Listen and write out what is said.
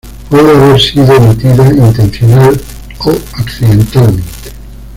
Puede haber sido emitida intencional o accidentalmente.